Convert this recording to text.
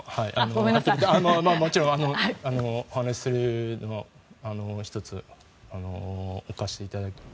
もちろんお話しするのは１つ置かせていただいて。